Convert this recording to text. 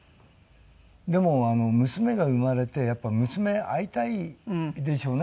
でも娘が生まれてやっぱ娘会いたいんでしょうね。